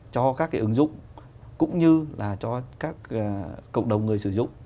cho các cái ứng dụng cũng như là cho các cộng đồng người sử dụng